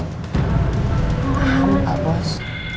paham pak bos